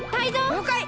りょうかい！